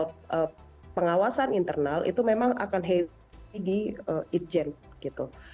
soal pengawasan internal itu memang akan di ijen gitu